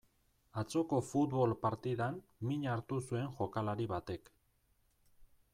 Atzoko futbol partidan min hartu zuen jokalari batek.